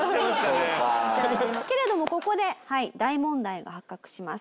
けれどもここで大問題が発覚します。